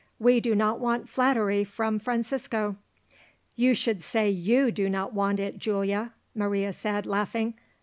We do not want flattery from Francisco." "You should say you do not want it, Giulia," Maria said, laughing.